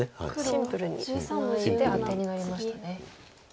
シンプルにツナいでアテになりましたね。